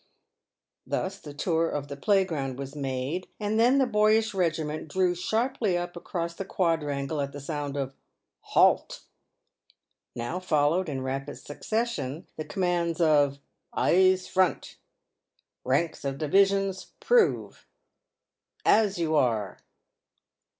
Thus the tour of the playground was made, and then the boyish regiment drew sharply up across the quadrangle at the sound of " Halt !" Now followed, in rapid succession, the commands of " Eyes front !"" Eanks of divisions, prove !"" As you are